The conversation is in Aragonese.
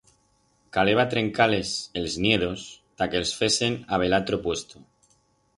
Caleba trencar-les els niedos ta que els fesen a bell altro puesto.